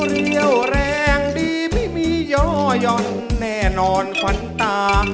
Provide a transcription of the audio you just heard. เรี่ยวแรงดีไม่มีย่อย่อนแน่นอนขวัญตา